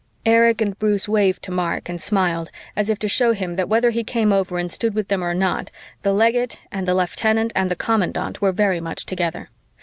Erich and Bruce waved to Mark and smiled, as if to show him that whether he came over and stood with them or not, the legate and the lieutenant and the commandant were very much together.